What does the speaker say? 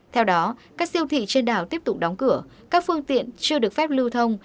theo đó các siêu thị trên đảo tiếp tục đóng cửa các phương tiện chưa được phép lưu thông